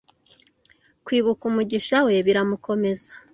kwibuka umugisha we biramukomeza